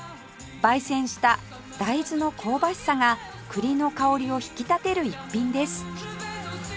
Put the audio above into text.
焙煎した大豆の香ばしさが栗の香りを引き立てる一品です